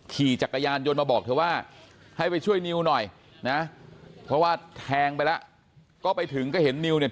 ขี่จักรยานยนต์มาบอกเธอว่าให้ไปช่วยนิวหน่อยนะเพราะว่าแทงไปแล้วก็ไปถึงก็เห็นนิวเนี่ย